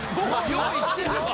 用意してるのか。